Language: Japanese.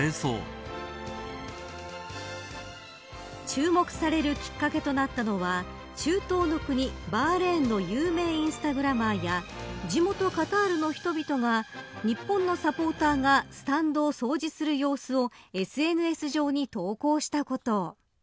注目されるきっかけとなったのは中東の国バーレーンの有名インスタグラマーや地元カタールの人々が日本のサポーターがスタンドを掃除する様子をＳＮＳ上に投稿したこと。